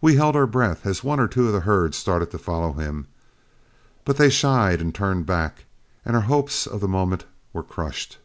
We held our breath, as one or two of the herd started to follow him, but they shied and turned back, and our hopes of the moment were crushed.